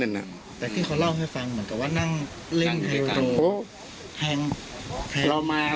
แต่ที่เขาเล่าให้ฟังเหมือนกับว่านั่งเล่นเพลงตรงแทงเรามา